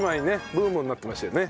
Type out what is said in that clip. ブームになってましたよね。